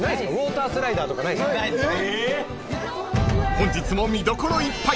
［本日も見どころいっぱい］